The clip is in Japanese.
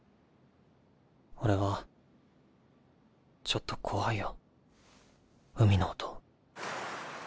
俺はちょっと怖いよ海の音。